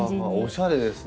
おしゃれですね。